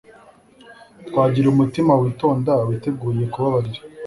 twagira umutima witonda witeguye kubabarira